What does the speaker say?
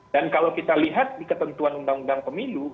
dan kalau kita lihat di ketentuan undang undang pemilu